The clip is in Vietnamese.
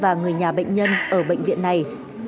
và người nhà bệnh nhân ở bệnh viện này